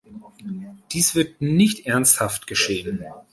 Dies wird nicht ernsthaft geschehen.